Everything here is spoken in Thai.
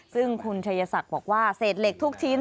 ซึ่งคุณชัยศักดิ์บอกว่าเศษเหล็กทุกชิ้น